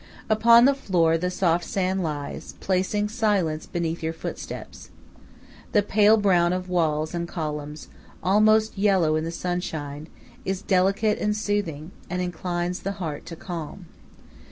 Upon the floor the soft sand lies, placing silence beneath your footsteps. The pale brown of walls and columns, almost yellow in the sunshine, is delicate and soothing, and inclines the heart to calm.